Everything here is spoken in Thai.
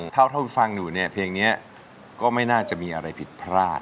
เท่าฟังอยู่เนี่ยเพลงนี้ก็ไม่น่าจะมีอะไรผิดพลาด